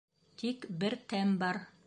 Тик бер тәм бар.